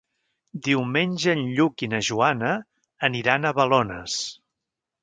Diumenge en Lluc i na Joana aniran a Balones.